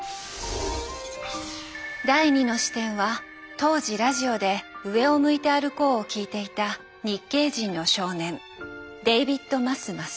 第２の視点は当時ラジオで「上を向いて歩こう」を聴いていた日系人の少年デイビッド・マス・マスモト。